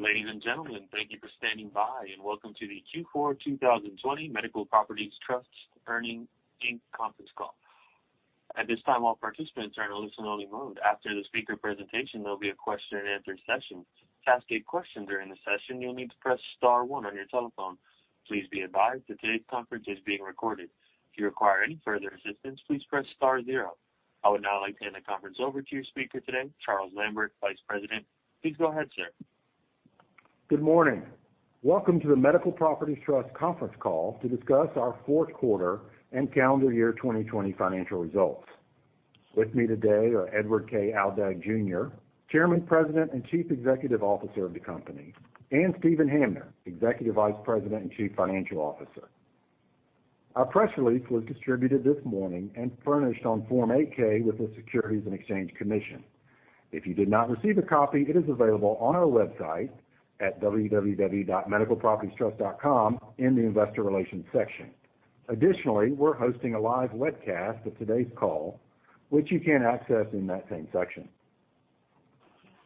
Ladies and gentlemen, thank you for standing by, and welcome to the Q4 2020 Medical Properties Trust Earnings Inc. Conference Call. I would now like to hand the conference over to your speaker today, Charles Lambert, Vice President. Please go ahead, sir. Good morning. Welcome to the Medical Properties Trust conference call to discuss our fourth quarter and calendar year 2020 financial results. With me today are Edward K. Aldag Jr., Chairman, President, and Chief Executive Officer of the company, and Steven Hamner, Executive Vice President and Chief Financial Officer. Our press release was distributed this morning and furnished on Form 8-K with the Securities and Exchange Commission. If you did not receive a copy, it is available on our website at www.medicalpropertiestrust.com in the Investor Relations section. Additionally, we're hosting a live webcast of today's call, which you can access in that same section.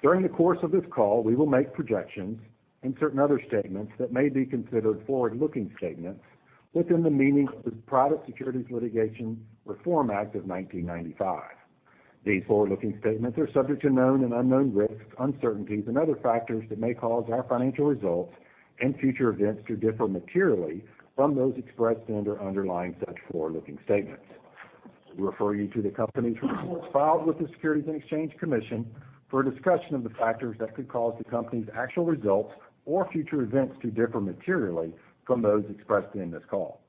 During the course of this call, we will make projections and certain other statements that may be considered forward-looking statements within the meaning of the Private Securities Litigation Reform Act of 1995. These forward-looking statements are subject to known and unknown risks, uncertainties, and other factors that may cause our financial results and future events to differ materially from those expressed and/or underlying such forward-looking statements. We refer you to the company's reports filed with the Securities and Exchange Commission for a discussion of the factors that could cause the company's actual results or future events to differ materially from those expressed during this call.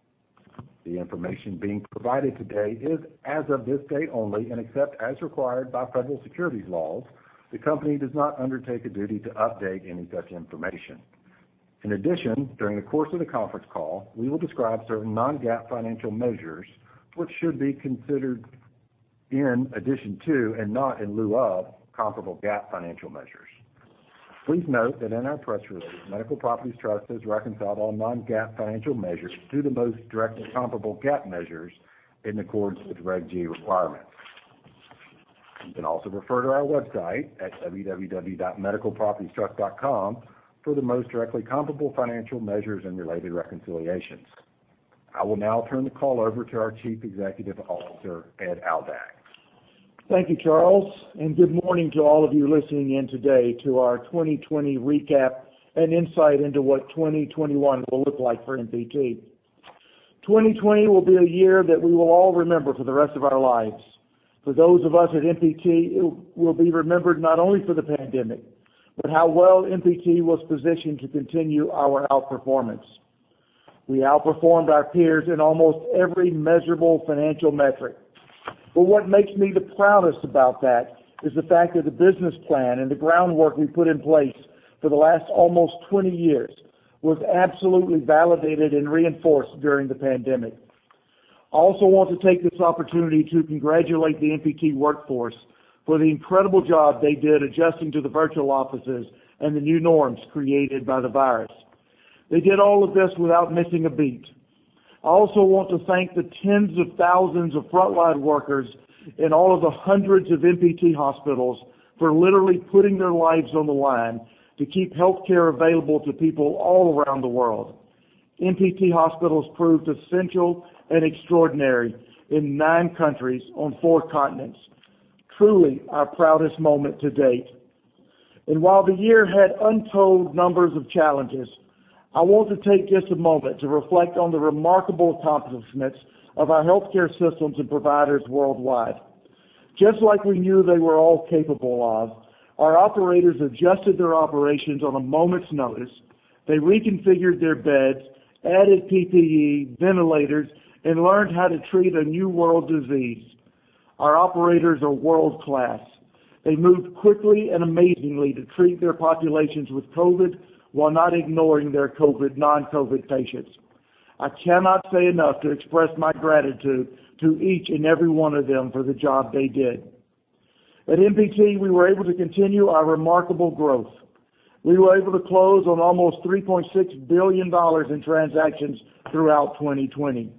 The information being provided today is as of this date only, and except as required by federal securities laws, the company does not undertake a duty to update any such information. In addition, during the course of the conference call, we will describe certain non-GAAP financial measures, which should be considered in addition to and not in lieu of comparable GAAP financial measures. Please note that in our press release, Medical Properties Trust has reconciled all non-GAAP financial measures to the most directly comparable GAAP measures in accordance with Reg G requirements. You can also refer to our website at www.medicalpropertiestrust.com for the most directly comparable financial measures and related reconciliations. I will now turn the call over to our Chief Executive Officer, Ed Aldag. Thank you, Charles, good morning to all of you listening in today to our 2020 recap and insight into what 2021 will look like for MPT. 2020 will be a year that we will all remember for the rest of our lives. For those of us at MPT, it will be remembered not only for the pandemic, but how well MPT was positioned to continue our outperformance. We outperformed our peers in almost every measurable financial metric. What makes me the proudest about that is the fact that the business plan and the groundwork we put in place for the last almost 20 years was absolutely validated and reinforced during the pandemic. I also want to take this opportunity to congratulate the MPT workforce for the incredible job they did adjusting to the virtual offices and the new norms created by the virus. They did all of this without missing a beat. I also want to thank the tens of thousands of frontline workers in all of the hundreds of MPT hospitals for literally putting their lives on the line to keep healthcare available to people all around the world. MPT hospitals proved essential and extraordinary in nine countries on four continents. Truly our proudest moment to date. While the year had untold numbers of challenges, I want to take just a moment to reflect on the remarkable accomplishments of our healthcare systems and providers worldwide. Just like we knew they were all capable of, our operators adjusted their operations on a moment's notice. They reconfigured their beds, added PPE, ventilators, and learned how to treat a new world disease. Our operators are world-class. They moved quickly and amazingly to treat their populations with COVID while not ignoring their non-COVID patients. I cannot say enough to express my gratitude to each and every one of them for the job they did. At MPT, we were able to continue our remarkable growth. We were able to close on almost $3.6 billion in transactions throughout 2020.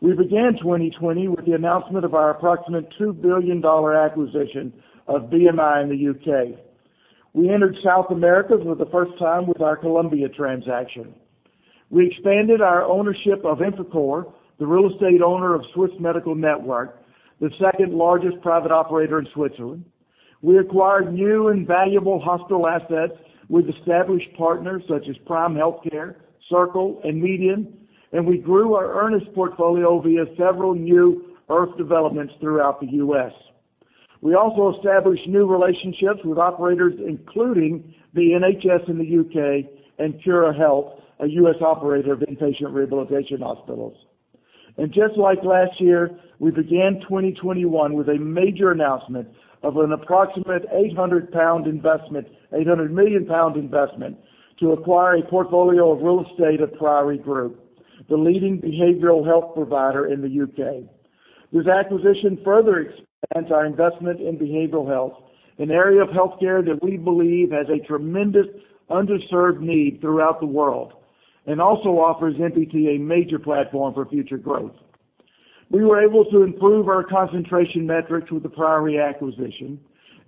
We began 2020 with the announcement of our approximate $2 billion acquisition of BMI in the U.K. We entered South America for the first time with our Colombia transaction. We expanded our ownership of Infracore, the real estate owner of Swiss Medical Network, the second-largest private operator in Switzerland. We acquired new and valuable hospital assets with established partners such as Prime Healthcare, Circle, and MEDIAN, and we grew our Ernest portfolio via several new IRF developments throughout the U.S. We also established new relationships with operators, including the NHS in the U.K. and Curahealth, a U.S. operator of inpatient rehabilitation hospitals. Just like last year, we began 2021 with a major announcement of an approximate 800 million pound investment to acquire a portfolio of real estate of Priory Group, the leading behavioral health provider in the U.K. This acquisition further expands our investment in behavioral health, an area of healthcare that we believe has a tremendous underserved need throughout the world, and also offers MPT a major platform for future growth. We were able to improve our concentration metrics with the Priory acquisition.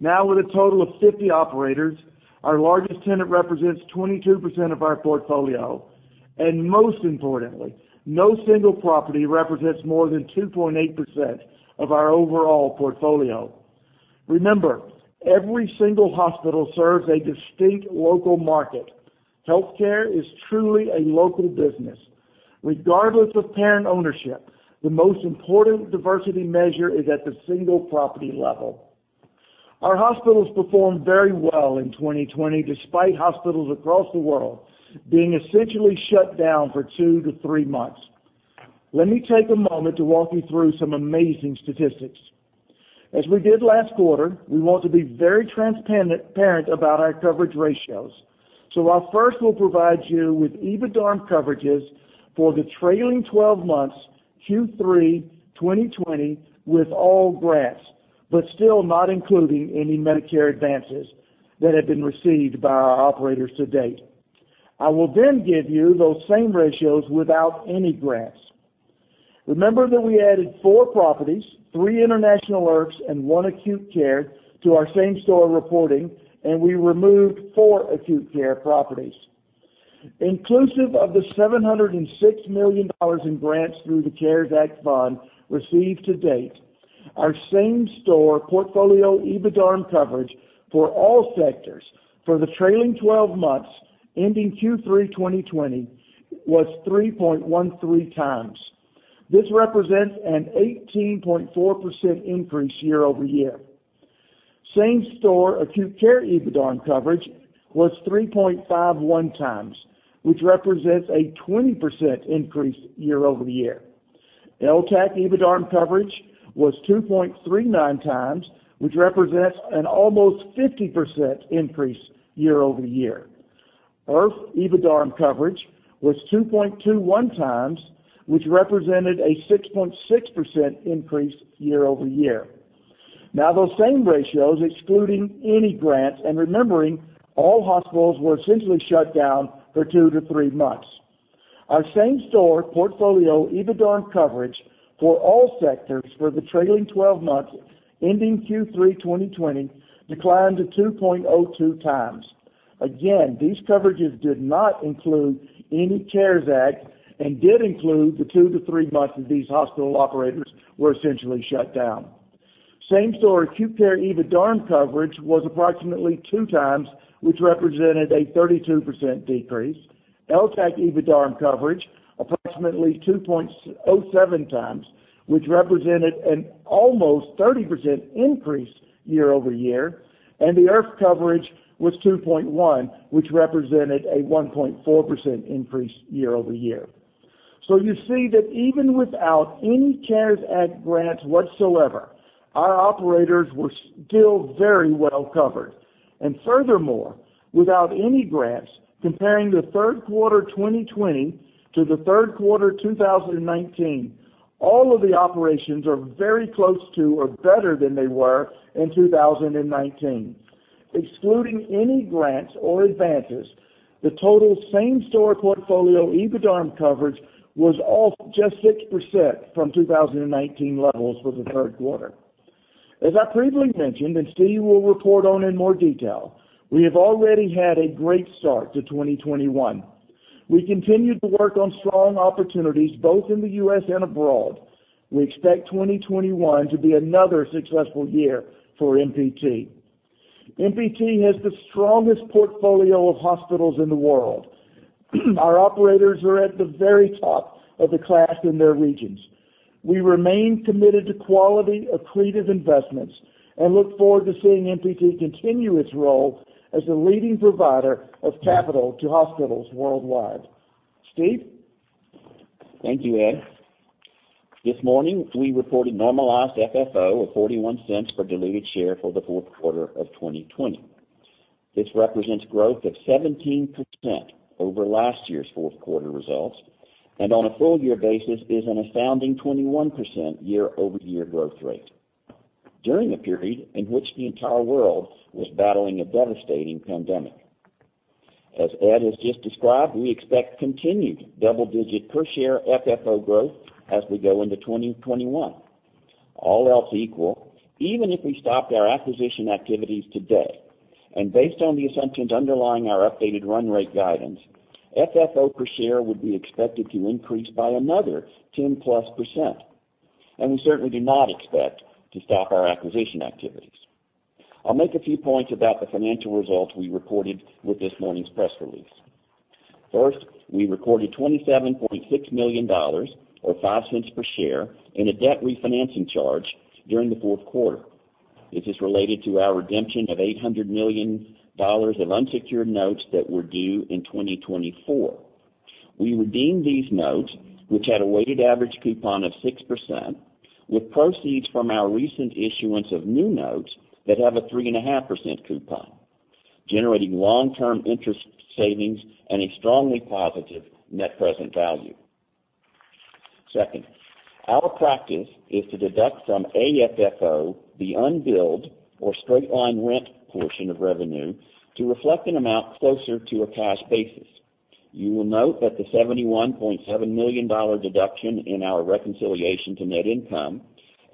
Now with a total of 50 operators, our largest tenant represents 22% of our portfolio, and most importantly, no single property represents more than 2.8% of our overall portfolio. Remember, every single hospital serves a distinct local market. Healthcare is truly a local business. Regardless of parent ownership, the most important diversity measure is at the single property level. Our hospitals performed very well in 2020, despite hospitals across the world being essentially shut down for two to three months. Let me take a moment to walk you through some amazing statistics. As we did last quarter, we want to be very transparent about our coverage ratios. I first will provide you with EBITDARM coverages for the trailing 12 months, Q3 2020, with all grants, but still not including any Medicare advances that have been received by our operators to date. I will give you those same ratios without any grants. Remember that we added four properties, three international IRFs, and one acute care to our same-store reporting, and we removed four acute care properties. Inclusive of the $706 million in grants through the CARES Act fund received to date, our same-store portfolio EBITDARM coverage for all sectors for the trailing 12 months ending Q3 2020 was 3.13 times. This represents an 18.4% increase year-over-year. Same-store acute care EBITDARM coverage was 3.51 times, which represents a 20% increase year-over-year. LTACH EBITDARM coverage was 2.39 times, which represents an almost 50% increase year-over-year. IRF EBITDARM coverage was 2.21 times, which represented a 6.6% increase year-over-year. Now those same ratios, excluding any grants, and remembering all hospitals were essentially shut down for two to three months. Our same-store portfolio EBITDARM coverage for all sectors for the trailing 12 months ending Q3 2020 declined to 2.02 times. Again, these coverages did not include any CARES Act and did include the two to three months that these hospital operators were essentially shut down. Same-store acute care EBITDARM coverage was approximately two times, which represented a 32% decrease. LTACH EBITDARM coverage, approximately 2.07 times, which represented an almost 30% increase year-over-year. The IRF coverage was 2.1, which represented a 1.4% increase year-over-year. You see that even without any CARES Act grants whatsoever, our operators were still very well covered. Furthermore, without any grants, comparing the third quarter 2020 to the third quarter 2019, all of the operations are very close to or better than they were in 2019. Excluding any grants or advances, the total same-store portfolio EBITDARM coverage was off just 6% from 2019 levels for the third quarter. As I previously mentioned, and Steve will report on in more detail, we have already had a great start to 2021. We continued to work on strong opportunities both in the U.S. and abroad. We expect 2021 to be another successful year for MPT. MPT has the strongest portfolio of hospitals in the world. Our operators are at the very top of the class in their regions. We remain committed to quality accretive investments and look forward to seeing MPT continue its role as a leading provider of capital to hospitals worldwide. Steve? Thank you, Ed. This morning, we reported normalized FFO of $0.41 per diluted share for the fourth quarter of 2020. This represents growth of 17% over last year's fourth quarter results. On a full year basis is an astounding 21% year-over-year growth rate during a period in which the entire world was battling a devastating pandemic. As Ed has just described, we expect continued double-digit per-share FFO growth as we go into 2021. All else equal, even if we stopped our acquisition activities today, based on the assumptions underlying our updated run rate guidance, FFO per share would be expected to increase by another 10%+, we certainly do not expect to stop our acquisition activities. I'll make a few points about the financial results we reported with this morning's press release. First, we recorded $27.6 million, or $0.05 per share, in a debt refinancing charge during the fourth quarter. This is related to our redemption of $800 million of unsecured notes that were due in 2024. We redeemed these notes, which had a weighted average coupon of 6%, with proceeds from our recent issuance of new notes that have a 3.5% coupon, generating long-term interest savings and a strongly positive net present value. Second, our practice is to deduct from AFFO the unbilled or straight-line rent portion of revenue to reflect an amount closer to a cash basis. You will note that the $71.7 million deduction in our reconciliation to net income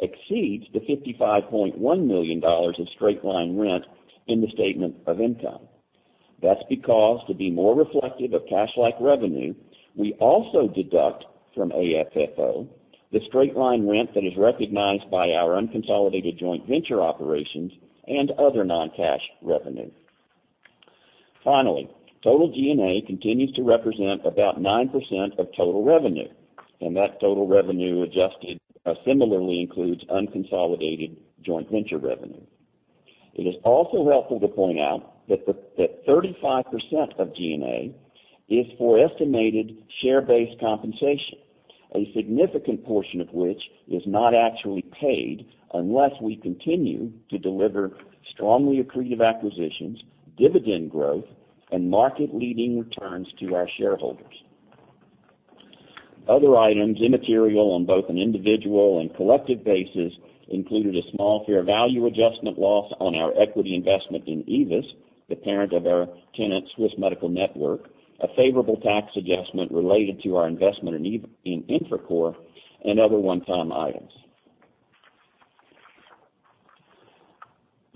exceeds the $55.1 million of straight-line rent in the statement of income. That's because to be more reflective of cash-like revenue, we also deduct from AFFO the straight line rent that is recognized by our unconsolidated joint venture operations and other non-cash revenue. Finally, total G&A continues to represent about 9% of total revenue, and that total revenue adjusted similarly includes unconsolidated joint venture revenue. It is also helpful to point out that 35% of G&A is for estimated share-based compensation, a significant portion of which is not actually paid unless we continue to deliver strongly accretive acquisitions, dividend growth, and market-leading returns to our shareholders. Other items, immaterial on both an individual and collective basis, included a small fair value adjustment loss on our equity investment in AEVIS, the parent of our tenant, Swiss Medical Network, a favorable tax adjustment related to our investment in Infracore, and other one-time items.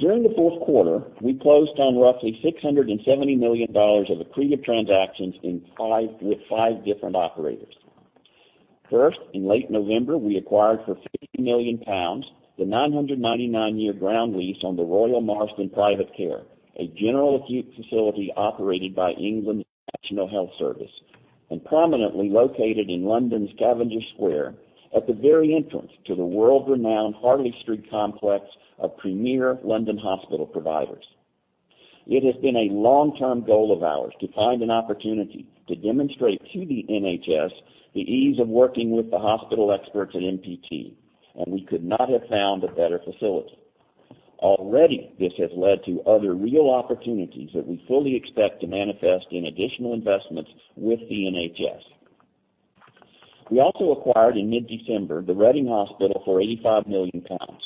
During the fourth quarter, we closed on roughly $670 million of accretive transactions with five different operators. First, in late November, we acquired for 50 million pounds the 999-year ground lease on The Royal Marsden Private Care, a general acute facility operated by England's National Health Service and prominently located in London's Cavendish Square at the very entrance to the world-renowned Harley Street complex of premier London hospital providers. It has been a long-term goal of ours to find an opportunity to demonstrate to the NHS the ease of working with the hospital experts at MPT, and we could not have found a better facility. Already, this has led to other real opportunities that we fully expect to manifest in additional investments with the NHS. We also acquired in mid-December the Reading Hospital for 85 million pounds.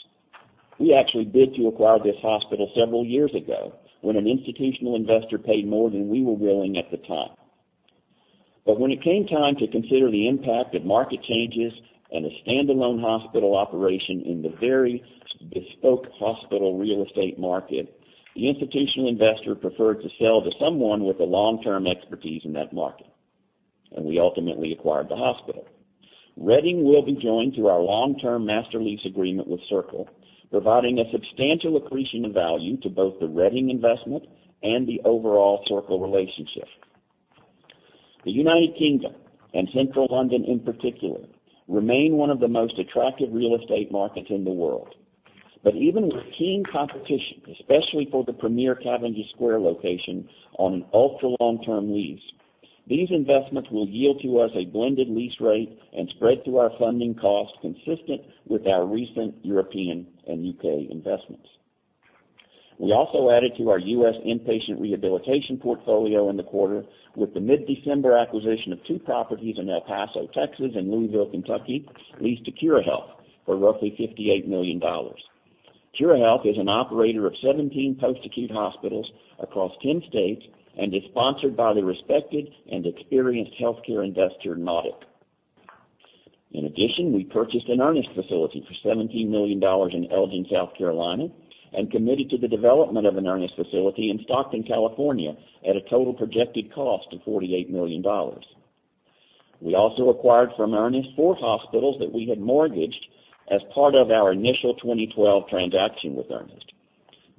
We actually bid to acquire this hospital several years ago when an institutional investor paid more than we were willing at the time. When it came time to consider the impact of market changes and a stand-alone hospital operation in the very bespoke hospital real estate market, the institutional investor preferred to sell to someone with the long-term expertise in that market, and we ultimately acquired the hospital. Reading will be joined through our long-term master lease agreement with Circle, providing a substantial accretion of value to both the Reading investment and the overall Circle relationship. The United Kingdom, and Central London in particular, remain one of the most attractive real estate markets in the world. Even with keen competition, especially for the premier Cavendish Square location on an ultra-long-term lease, these investments will yield to us a blended lease rate and spread to our funding costs consistent with our recent European and U.K. investments. We also added to our U.S. inpatient rehabilitation portfolio in the quarter with the mid-December acquisition of two properties in El Paso, Texas, and Louisville, Kentucky, leased to Curahealth for roughly $58 million. Curahealth is an operator of 17 post-acute hospitals across 10 states and is sponsored by the respected and experienced healthcare investor Nautic. In addition, we purchased an Ernest facility for $17 million in Elgin, South Carolina, and committed to the development of an Ernest facility in Stockton, California, at a total projected cost of $48 million. We also acquired from Ernest four hospitals that we had mortgaged as part of our initial 2012 transaction with Ernest.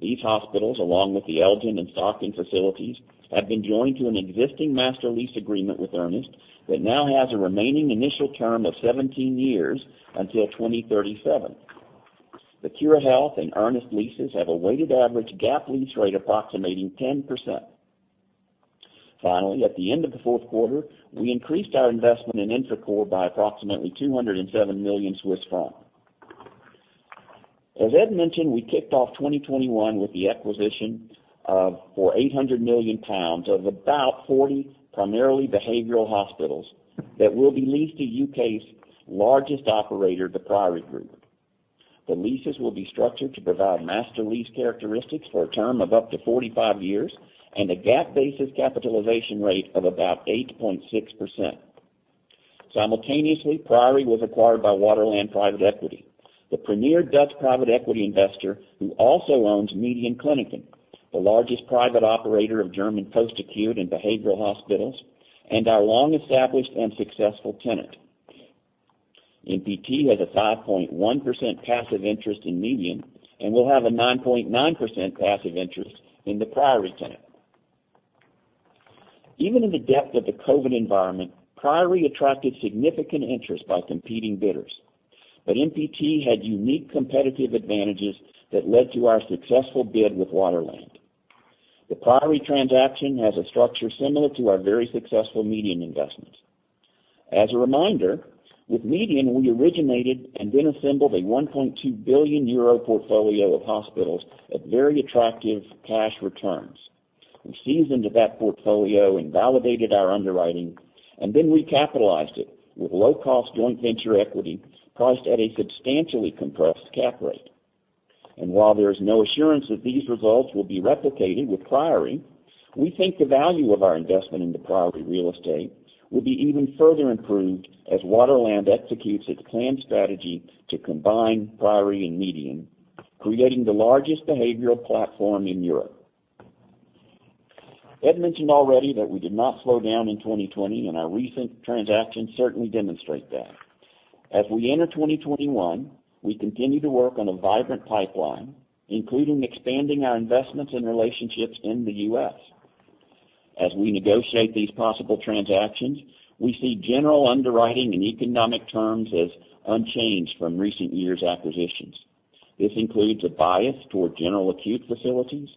These hospitals, along with the Elgin and Stockton facilities, have been joined to an existing master lease agreement with Ernest that now has a remaining initial term of 17 years until 2037. The Curahealth and Ernest leases have a weighted average GAAP lease rate approximating 10%. Finally, at the end of the fourth quarter, we increased our investment in Infracore by approximately 207 million Swiss francs. As Ed mentioned, we kicked off 2021 with the acquisition of, for 800 million pounds, of about 40 primarily behavioral hospitals that will be leased to U.K.'s largest operator, The Priory Group. The leases will be structured to provide master lease characteristics for a term of up to 45 years and a GAAP-basis capitalization rate of about 8.6%. Simultaneously, Priory was acquired by Waterland Private Equity, the premier Dutch private equity investor who also owns MEDIAN Kliniken, the largest private operator of German post-acute and behavioral hospitals, and our long-established and successful tenant. MPT has a 5.1% passive interest in MEDIAN and will have a 9.9% passive interest in the Priory tenant. Even in the depth of the COVID environment, Priory attracted significant interest by competing bidders, but MPT had unique competitive advantages that led to our successful bid with Waterland. The Priory transaction has a structure similar to our very successful MEDIAN investment. As a reminder, with MEDIAN, we originated and then assembled a 1.2 billion euro portfolio of hospitals at very attractive cash returns. We seasoned that portfolio and validated our underwriting, and then we capitalized it with low-cost joint venture equity priced at a substantially compressed cap rate. While there is no assurance that these results will be replicated with Priory, we think the value of our investment in the Priory real estate will be even further improved as Waterland executes its planned strategy to combine Priory and MEDIAN, creating the largest behavioral platform in Europe. Ed mentioned already that we did not slow down in 2020, and our recent transactions certainly demonstrate that. As we enter 2021, we continue to work on a vibrant pipeline, including expanding our investments and relationships in the U.S. As we negotiate these possible transactions, we see general underwriting and economic terms as unchanged from recent years' acquisitions. This includes a bias toward general acute facilities,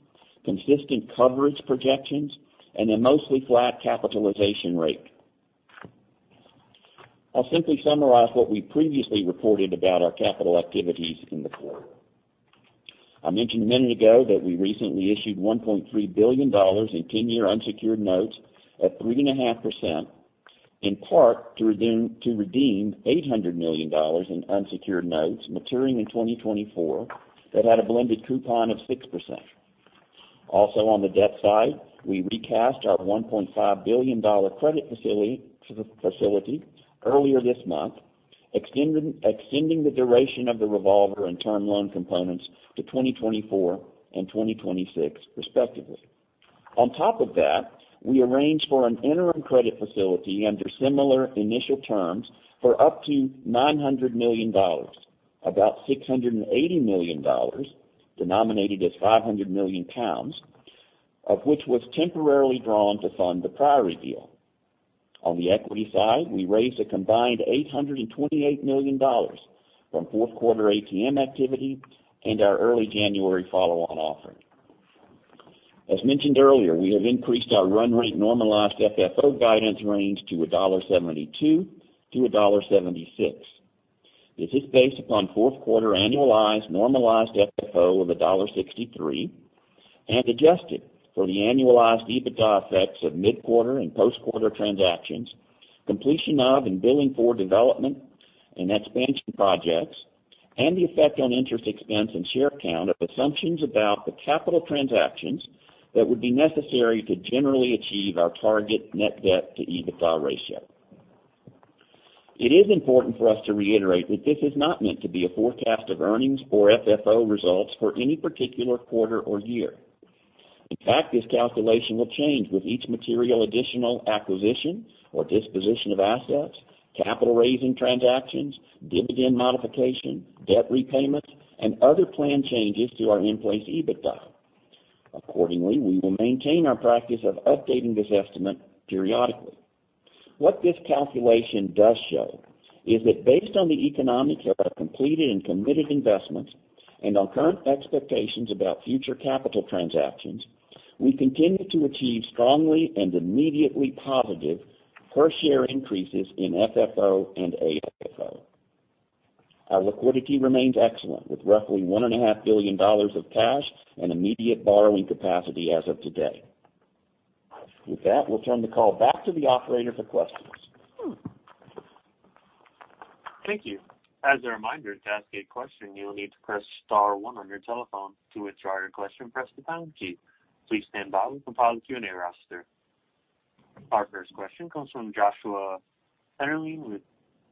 consistent coverage projections, and a mostly flat capitalization rate. I'll simply summarize what we previously reported about our capital activities in the quarter. I mentioned a minute ago that we recently issued $1.3 billion in 10-year unsecured notes at 3.5%, in part to redeem $800 million in unsecured notes maturing in 2024 that had a blended coupon of 6%. Also, on the debt side, we recast our $1.5 billion credit facility earlier this month, extending the duration of the revolver and term loan components to 2024 and 2026 respectively. On top of that, we arranged for an interim credit facility under similar initial terms for up to $900 million. About $680 million, denominated as 500 million pounds, of which was temporarily drawn to fund the Priory deal. On the equity side, we raised a combined $828 million from fourth quarter ATM activity and our early January follow-on offering. As mentioned earlier, we have increased our run rate normalized FFO guidance range to $1.72-$1.76. This is based upon fourth quarter annualized normalized FFO of $1.63 and adjusted for the annualized EBITDA effects of mid-quarter and post-quarter transactions, completion of and billing for development and expansion projects, and the effect on interest expense and share count of assumptions about the capital transactions that would be necessary to generally achieve our target net debt to EBITDA ratio. It is important for us to reiterate that this is not meant to be a forecast of earnings or FFO results for any particular quarter or year. In fact, this calculation will change with each material additional acquisition or disposition of assets, capital raising transactions, dividend modification, debt repayments, and other planned changes to our in-place EBITDA. Accordingly, we will maintain our practice of updating this estimate periodically. What this calculation does show is that based on the economics of our completed and committed investments and on current expectations about future capital transactions, we continue to achieve strongly and immediately positive per share increases in FFO and AFFO. Our liquidity remains excellent, with roughly $1.5 billion of cash and immediate borrowing capacity as of today. With that, we'll turn the call back to the operator for questions. Thank you. Our first question comes from Joshua Dennerlein with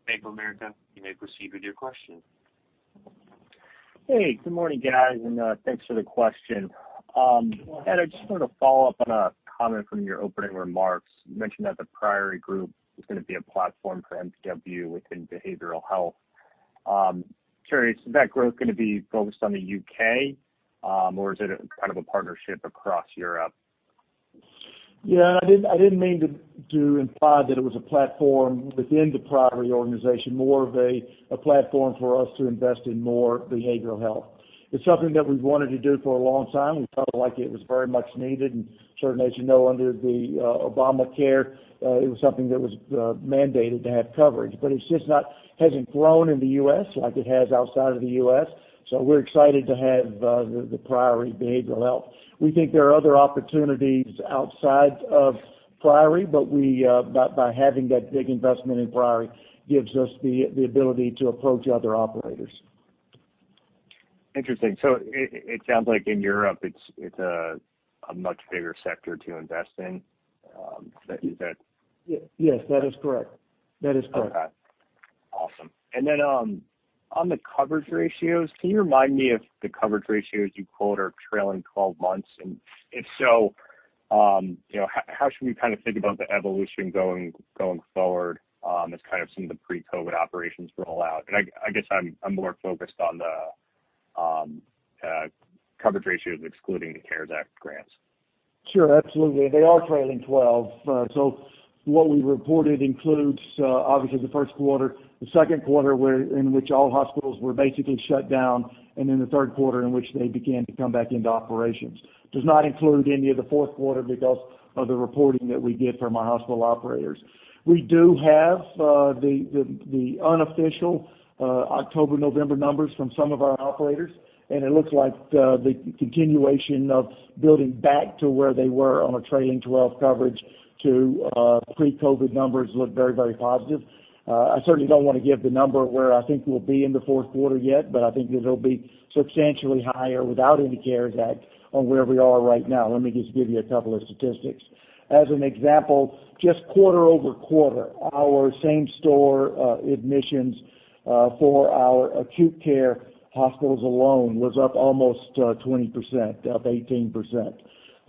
Bank of America. You may proceed with your question. Hey, good morning, guys, and thanks for the question. Ed, I just wanted to follow up on a comment from your opening remarks. You mentioned that the Priory Group is going to be a platform for MPW within behavioral health. Curious, is that growth going to be focused on the U.K., or is it kind of a partnership across Europe? Yeah, I didn't mean to imply that it was a platform within the Priory organization, more of a platform for us to invest in more behavioral health. It's something that we've wanted to do for a long time. We felt like it was very much needed, and certainly, as you know, under the Obamacare, it was something that was mandated to have coverage. It hasn't grown in the U.S. like it has outside of the U.S., so we're excited to have the Priory behavioral health. We think there are other opportunities outside of Priory, but by having that big investment in Priory gives us the ability to approach other operators. Interesting. It sounds like in Europe it's a much bigger sector to invest in. Yes, that is correct. Okay. Awesome. On the coverage ratios, can you remind me if the coverage ratios you quote are trailing 12 months? If so, how should we think about the evolution going forward as some of the pre-COVID operations roll out? I guess I'm more focused on the coverage ratios excluding the CARES Act grants. Sure, absolutely. They are trailing 12. What we reported includes obviously the first quarter, the second quarter in which all hospitals were basically shut down, and then the third quarter in which they began to come back into operations. Does not include any of the fourth quarter because of the reporting that we get from our hospital operators. We do have the unofficial October, November numbers from some of our operators, and it looks like the continuation of building back to where they were on a trailing 12 coverage to pre-COVID numbers look very positive. I certainly don't want to give the number where I think we'll be in the fourth quarter yet, but I think that it'll be substantially higher without any CARES Act on where we are right now. Let me just give you a couple of statistics. As an example, just quarter-over-quarter, our same-store admissions for our acute care hospitals alone was up almost 20%, up 18%.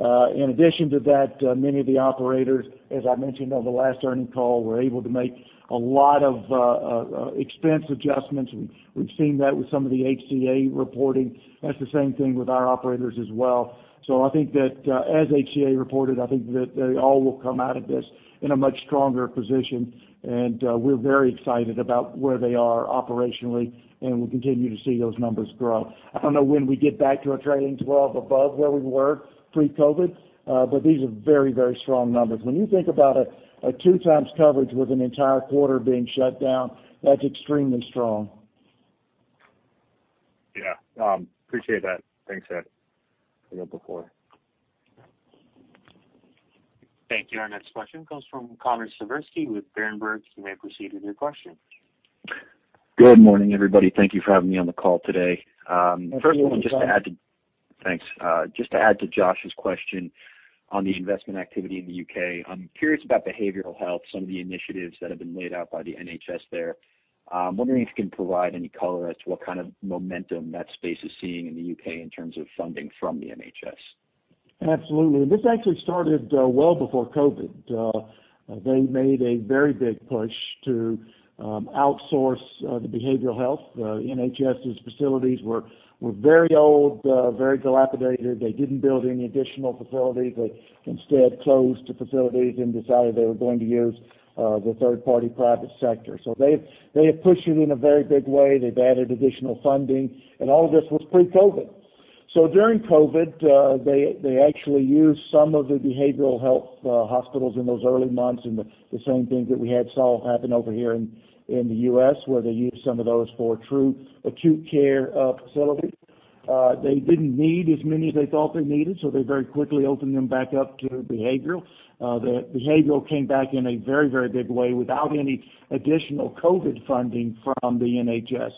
In addition to that, many of the operators, as I mentioned on the last earnings call, were able to make a lot of expense adjustments. We've seen that with some of the HCA reporting. That's the same thing with our operators as well. I think that as HCA reported, I think that they all will come out of this in a much stronger position, and we're very excited about where they are operationally, and we continue to see those numbers grow. I don't know when we get back to a trailing 12 above where we were pre-COVID, but these are very strong numbers. When you think about a two times coverage with an entire quarter being shut down, that's extremely strong. Yeah. Appreciate that. Thanks, Ed. Thank you. Our next question comes from Connor Siversky with Berenberg. You may proceed with your question. Good morning, everybody. Thank you for having me on the call today. Thank you. Thanks. Just to add to Josh's question on the investment activity in the U.K., I'm curious about behavioral health, some of the initiatives that have been laid out by the NHS there. I'm wondering if you can provide any color as to what kind of momentum that space is seeing in the U.K. in terms of funding from the NHS. Absolutely. This actually started well before COVID. They made a very big push to outsource the behavioral health. NHS's facilities were very old, very dilapidated. They didn't build any additional facilities. They instead closed the facilities and decided they were going to use the third-party private sector. They have pushed it in a very big way. They've added additional funding, and all of this was pre-COVID. During COVID, they actually used some of the behavioral health hospitals in those early months and the same things that we had saw happen over here in the U.S., where they used some of those for true acute care facilities. They didn't need as many as they thought they needed, so they very quickly opened them back up to behavioral. The behavioral came back in a very big way without any additional COVID funding from the NHS.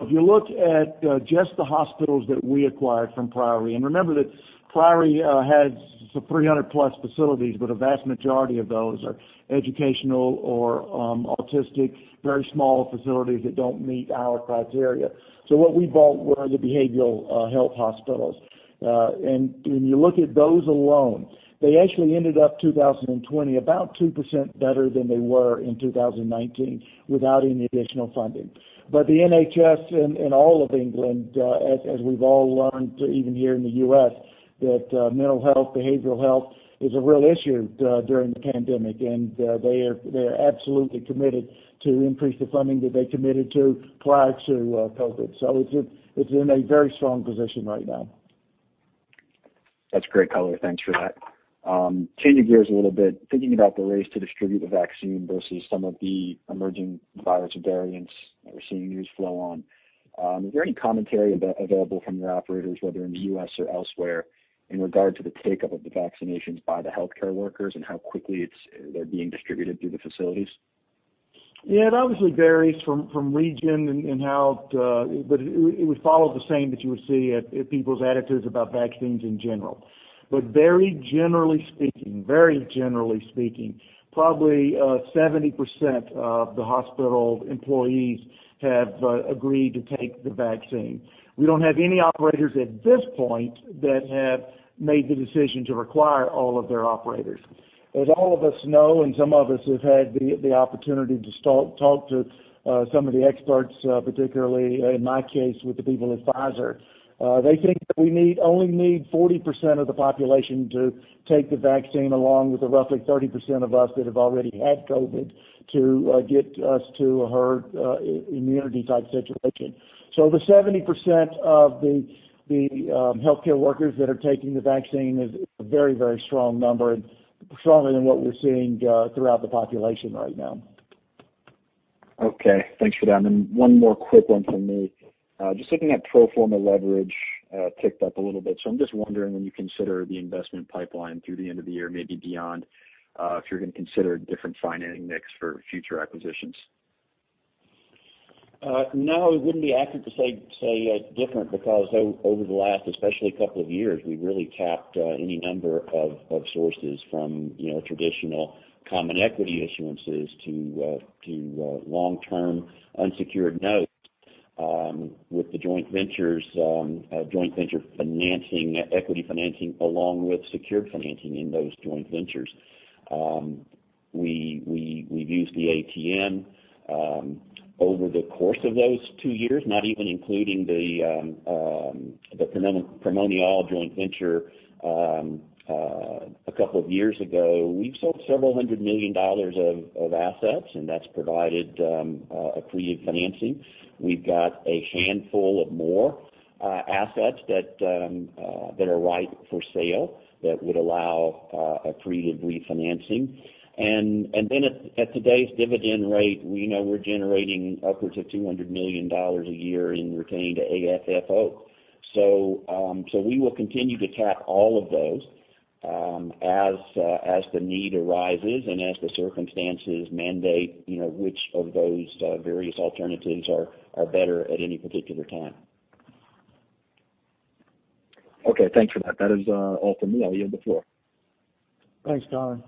If you look at just the hospitals that we acquired from Priory, and remember that Priory has 300+ facilities, but a vast majority of those are educational or autistic, very small facilities that don't meet our criteria. What we bought were the behavioral health hospitals. When you look at those alone, they actually ended up 2020 about 2% better than they were in 2019 without any additional funding. The NHS in all of England as we've all learned even here in the U.S., that mental health, behavioral health is a real issue during the pandemic. They are absolutely committed to increase the funding that they committed to prior to COVID. It's in a very strong position right now. That's great color. Thanks for that. Changing gears a little bit, thinking about the race to distribute the vaccine versus some of the emerging virus variants that we're seeing news flow on. Is there any commentary available from your operators, whether in the U.S. or elsewhere, in regard to the take-up of the vaccinations by the healthcare workers and how quickly they're being distributed through the facilities? Yeah, it obviously varies from region. It would follow the same that you would see at people's attitudes about vaccines in general. Very generally speaking, probably 70% of the hospital employees have agreed to take the vaccine. We don't have any operators at this point that have made the decision to require all of their operators. As all of us know, and some of us have had the opportunity to talk to some of the experts, particularly in my case with the people at Pfizer. They think that we only need 40% of the population to take the vaccine, along with the roughly 30% of us that have already had COVID to get us to a herd immunity type situation. The 70% of the healthcare workers that are taking the vaccine is a very strong number and stronger than what we're seeing throughout the population right now. Okay. Thanks for that. One more quick one from me. Just looking at pro forma leverage ticked up a little bit. I'm just wondering when you consider the investment pipeline through the end of the year, maybe beyond, if you're going to consider a different financing mix for future acquisitions. No, it wouldn't be accurate to say different because over the last, especially couple of years, we've really tapped any number of sources from traditional common equity issuances to long-term unsecured notes with the joint venture financing, equity financing, along with secured financing in those joint ventures. We've used the ATM over the course of those two years, not even including the Primonial joint venture a couple of years ago. We've sold several hundred million of assets, that's provided accretive financing. We've got a handful of more assets that are ripe for sale that would allow accretive refinancing. At today's dividend rate, we know we're generating upwards of $200 million a year in retained AFFO. We will continue to tap all of those as the need arises and as the circumstances mandate which of those various alternatives are better at any particular time. Okay. Thanks for that. That is all for me. I yield the floor. Thanks, Connor.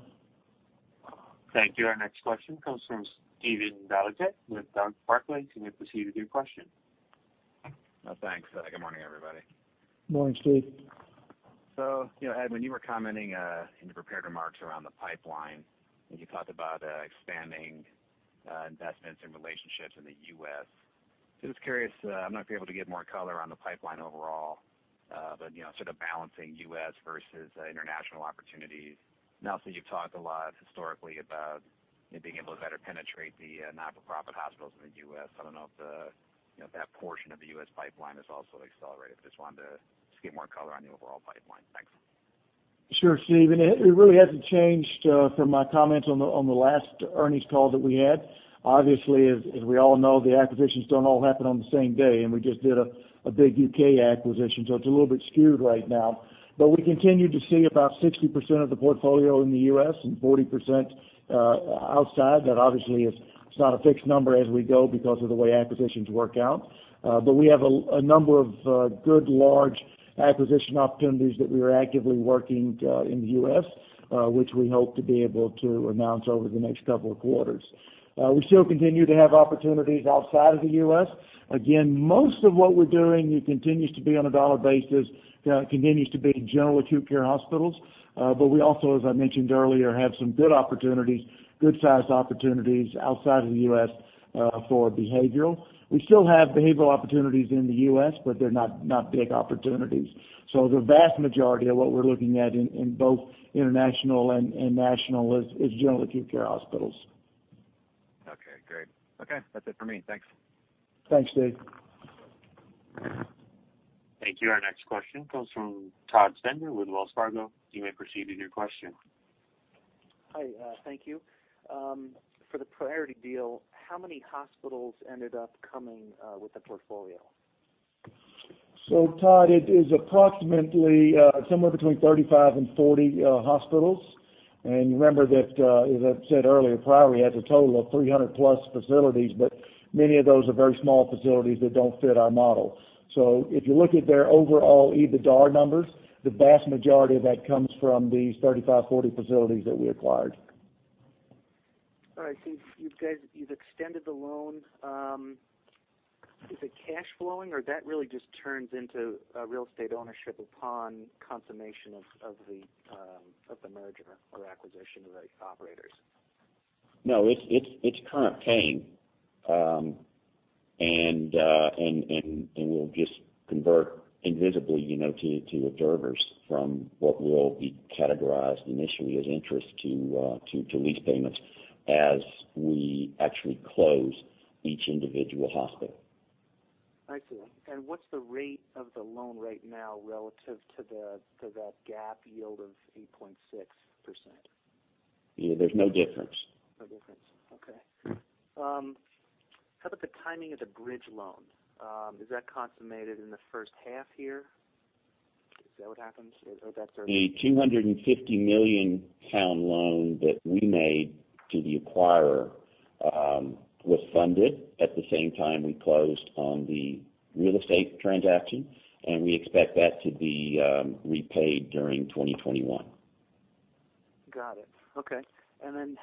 Thank you. Our next question comes from Steven Valiquette with Barclays. You may proceed with your question. Thanks. Good morning, everybody. Morning, Steve. Ed, when you were commenting in your prepared remarks around the pipeline, and you talked about expanding investments and relationships in the U.S., so just curious. I'm not going to be able to get more color on the pipeline overall, but sort of balancing U.S. versus international opportunities. Also, you've talked a lot historically about being able to better penetrate the not-for-profit hospitals in the U.S. I don't know if that portion of the U.S. pipeline has also accelerated, but I just wanted to get more color on the overall pipeline. Thanks. Sure, Steve. It really hasn't changed from my comments on the last earnings call that we had. Obviously, as we all know, the acquisitions don't all happen on the same day, and we just did a big U.K. acquisition, so it's a little bit skewed right now. We continue to see about 60% of the portfolio in the U.S. and 40% outside. That obviously is not a fixed number as we go because of the way acquisitions work out. We have a number of good large acquisition opportunities that we are actively working in the U.S., which we hope to be able to announce over the next couple of quarters. We still continue to have opportunities outside of the U.S. Again, most of what we're doing continues to be on a dollar basis, continues to be general acute care hospitals. We also, as I mentioned earlier, have some good opportunities, good-sized opportunities outside of the U.S. for behavioral. We still have behavioral opportunities in the U.S., but they're not big opportunities. The vast majority of what we're looking at in both international and national is general acute care hospitals. Okay, great. Okay. That's it for me. Thanks. Thanks, Steve. Thank you. Our next question comes from Todd Stender with Wells Fargo. You may proceed with your question. Hi. Thank you. For the Priory deal, how many hospitals ended up coming with the portfolio? Todd, it is approximately somewhere between 35 and 40 hospitals. Remember that as I said earlier, Priory has a total of 300+ facilities, but many of those are very small facilities that don't fit our model. If you look at their overall EBITDA numbers, the vast majority of that comes from these 35, 40 facilities that we acquired. All right, Steve. You guys extended the loan. Is it cash flowing, or that really just turns into a real estate ownership upon consummation of the merger or acquisition of those operators? No, it's current paying. Will just convert invisibly to observers from what will be categorized initially as interest to lease payments as we actually close each individual hospital. I see. What's the rate of the loan right now relative to that gap yield of 8.6%? There's no difference. No difference. Okay. How about the timing of the bridge loan? Is that consummated in the first half here? Is that what happens? The 250 million pound loan that we made to the acquirer was funded at the same time we closed on the real estate transaction, and we expect that to be repaid during 2021. Got it. Okay.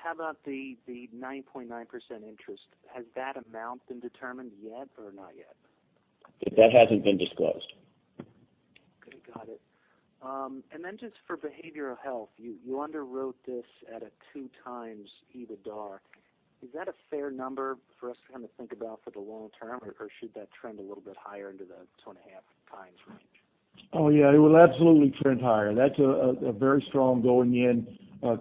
How about the 9.9% interest? Has that amount been determined yet or not yet? That hasn't been disclosed. Okay, got it. Just for behavioral health, you underwrote this at a two times EBITDA. Is that a fair number for us to kind of think about for the long term, or should that trend a little bit higher into the 2.5 times range? Oh, yeah, it will absolutely trend higher. That's a very strong going-in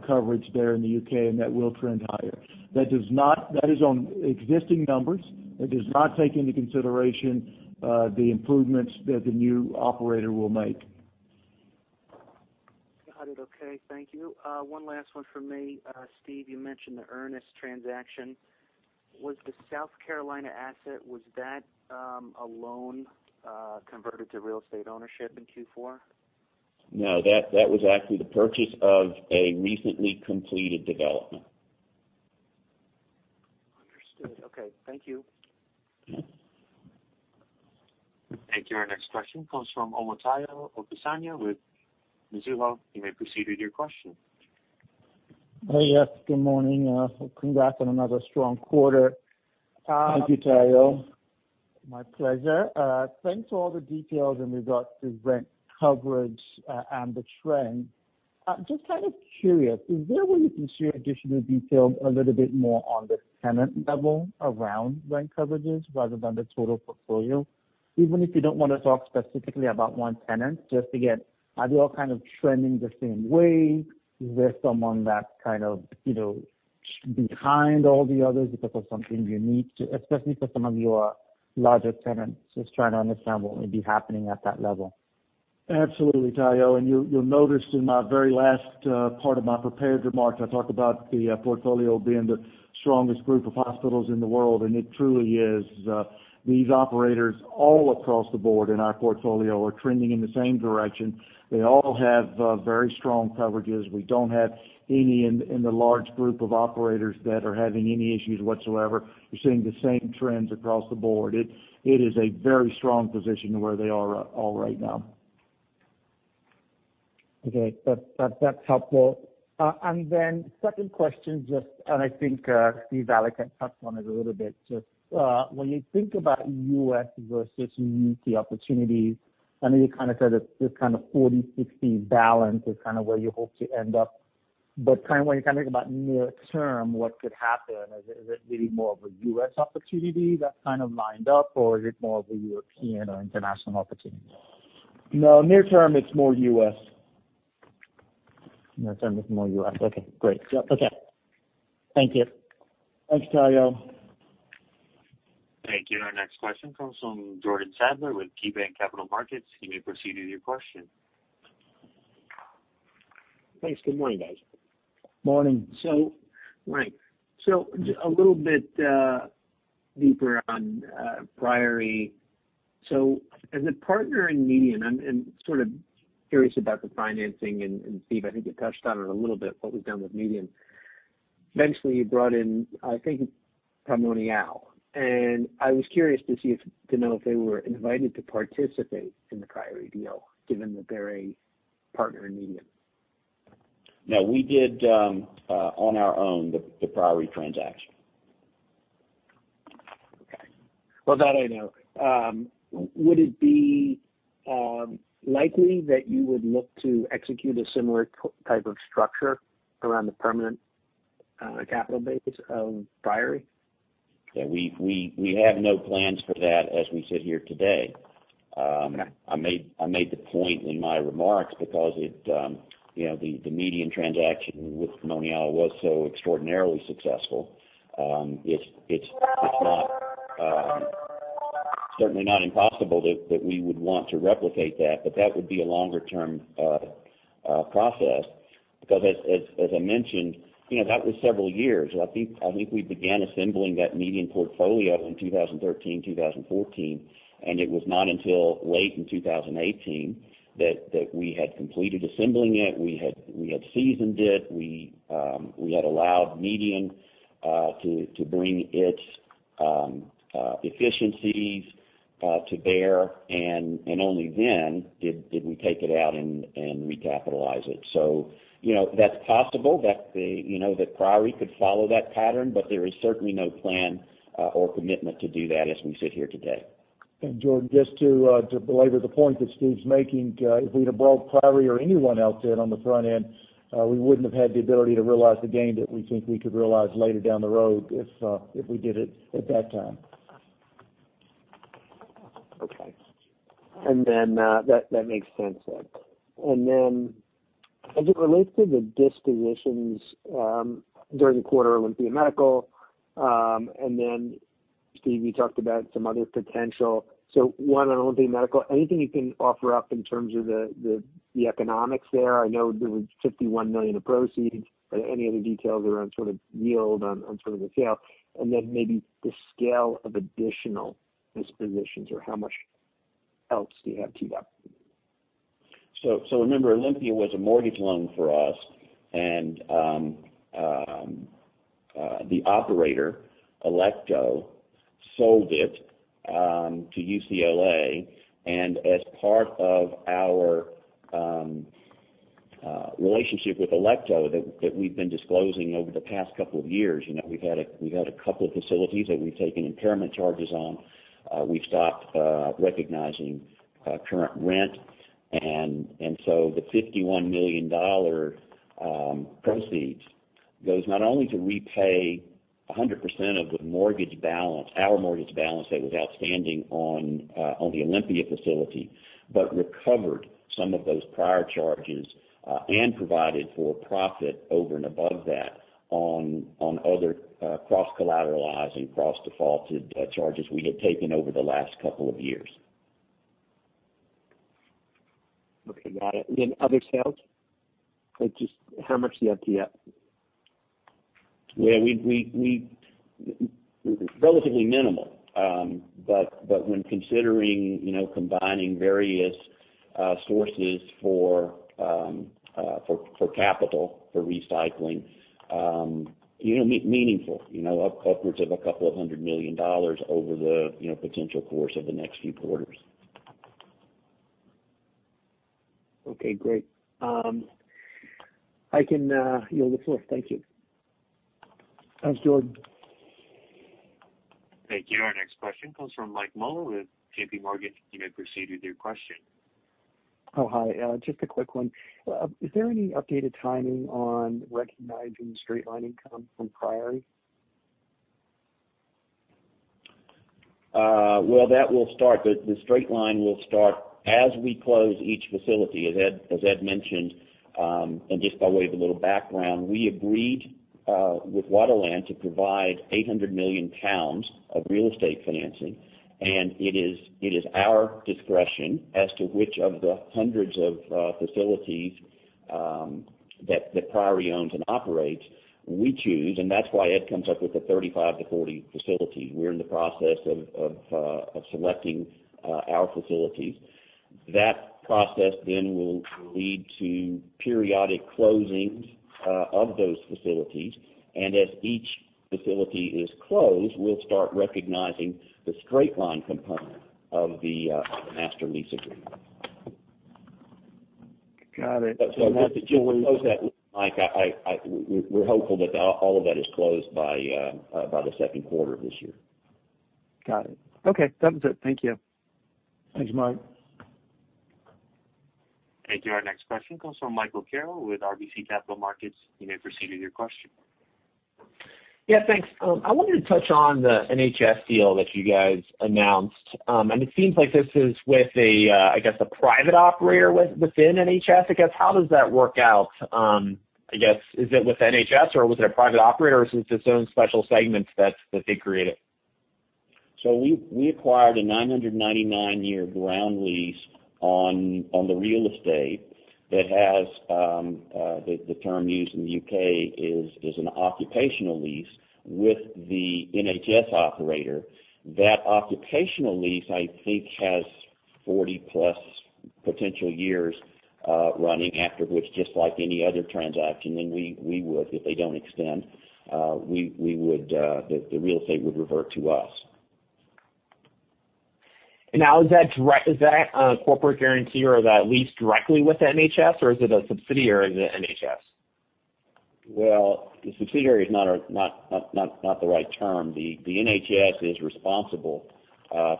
coverage there in the U.K., and that will trend higher. That is on existing numbers. It does not take into consideration the improvements that the new operator will make. Got it. Okay. Thank you. One last one from me. Steve, you mentioned the Ernest transaction. Was the South Carolina asset, was that a loan converted to real estate ownership in Q4? No, that was actually the purchase of a recently completed development. Understood. Okay. Thank you. Yeah. Thank you. Our next question comes from Omotayo Okusanya with Mizuho. You may proceed with your question. Hey. Yes, good morning. Congrats on another strong quarter. Thank you, Tayo. My pleasure. Thanks for all the details in regards to rent coverage and the trend. Just kind of curious, is there a way you can share additional details a little bit more on the tenant level around rent coverages rather than the total portfolio? Even if you don't want to talk specifically about one tenant, just to get, are they all kind of trending the same way? Is there someone that's kind of behind all the others because of something unique to, especially for some of your larger tenants, just trying to understand what may be happening at that level. Absolutely, Tayo. You'll notice in my very last part of my prepared remarks, I talk about the portfolio being the strongest group of hospitals in the world, and it truly is. These operators all across the board in our portfolio are trending in the same direction. They all have very strong coverages. We don't have any in the large group of operators that are having any issues whatsoever. We're seeing the same trends across the board. It is a very strong position where they are all right now. Okay. That's helpful. Second question, and I think Steve Valiquette had touched on it a little bit. Just when you think about U.S. versus U.K. opportunities, I know you kind of said this kind of 40/60 balance is kind of where you hope to end up. When you think about near term, what could happen? Is it really more of a U.S. opportunity that's kind of lined up, or is it more of a European or international opportunity? No, near term, it's more U.S. Near term, it's more U.S. Okay, great. Yep. Okay. Thank you. Thanks, Tayo. Thank you. Our next question comes from Jordan Sadler with KeyBanc Capital Markets. You may proceed with your question. Thanks. Good morning, guys. Morning. Right. A little bit deeper on Priory. As a partner in MEDIAN, I'm sort of curious about the financing. Steve, I think you touched on it a little bit, what was done with MEDIAN. Eventually you brought in, I think, Primonial, and I was curious to know if they were invited to participate in the Priory deal, given that they're a partner in MEDIAN. No, we did on our own the Priory transaction. Okay. Well, that I know. Would it be likely that you would look to execute a similar type of structure around the permanent capital base of Priory? Yeah, we have no plans for that as we sit here today. Okay. I made the point in my remarks because the MEDIAN transaction with Primonial was so extraordinarily successful. That would be a longer-term process, because as I mentioned, that was several years. I think we began assembling that MEDIAN portfolio in 2013, 2014, and it was not until late in 2018 that we had completed assembling it, we had seasoned it, we had allowed MEDIAN to bring its efficiencies to bear, and only then did we take it out and recapitalize it. That's possible that Priory could follow that pattern, but there is certainly no plan or commitment to do that as we sit here today. Jordan, just to belabor the point that Steve's making, if we'd have brought Priory or anyone else in on the front end, we wouldn't have had the ability to realize the gain that we think we could realize later down the road if we did it at that time. Okay. That makes sense, then. As it relates to the dispositions during the quarter, Olympia Medical, Steve, you talked about some other potential. One on Olympia Medical, anything you can offer up in terms of the economics there? I know there was $51 million of proceeds. Any other details around sort of yield on sort of the sale? Maybe the scale of additional dispositions, or how much else do you have teed up? Remember, Olympia was a mortgage loan for us, and the operator, Alecto, sold it to UCLA. As part of our relationship with Alecto that we've been disclosing over the past couple of years, we've had a couple of facilities that we've taken impairment charges on. We've stopped recognizing current rent. The $51 million proceeds goes not only to repay 100% of the mortgage balance, our mortgage balance that was outstanding on the Olympia facility, but recovered some of those prior charges, and provided for profit over and above that on other cross-collateralized and cross-defaulted charges we had taken over the last couple of years. Okay, got it. Other sales? Just how much do you have teed up? Yeah, relatively minimal. When considering combining various sources for capital for recycling, meaningful, upwards of a couple of hundred million over the potential course of the next few quarters. Okay, great. I can yield the floor. Thank you. Thanks, Jordan. Thank you. Our next question comes from Mike Mueller with JPMorgan. You may proceed with your question. Oh, hi. Just a quick one. Is there any updated timing on recognizing the straight line income from Priory? Well, the straight line will start as we close each facility, as Ed mentioned. Just by way of a little background, we agreed with Waterland to provide 800 million pounds of real estate financing, and it is our discretion as to which of the hundreds of facilities that Priory owns and operates, we choose. That's why Ed comes up with the 35-40 facilities. We're in the process of selecting our facilities. That process then will lead to periodic closings of those facilities. As each facility is closed, we'll start recognizing the straight-line component of the master lease agreement. Got it. Just to close that, Mike, we're hopeful that all of that is closed by the second quarter of this year. Got it. Okay, that was it. Thank you. Thanks, Mike. Thank you. Our next question comes from Michael Carroll with RBC Capital Markets. You may proceed with your question. Yeah, thanks. I wanted to touch on the NHS deal that you guys announced. It seems like this is with a private operator within NHS, I guess. How does that work out? Is it with NHS or was it a private operator, or is it its own special segment that they created? We acquired a 999-year ground lease on the real estate that has, the term used in the U.K., is an occupational lease with the NHS operator. That occupational lease, I think, has 40+ potential years running, after which, just like any other transaction, if they don't extend, the real estate would revert to us. Now, is that a corporate guarantee, or is that leased directly with NHS, or is it a subsidiary of the NHS? Well, the subsidiary is not the right term. The NHS is responsible